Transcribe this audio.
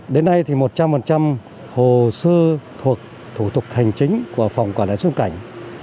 đến nay thì một trăm linh hồ sơ thuộc thủ tục hành chính của phòng quản lý xuân cảnh